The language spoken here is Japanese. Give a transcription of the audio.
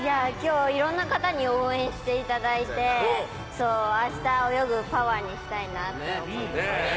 いろいろな方に応援していただいて、あした泳ぐパワーにしたいと思います。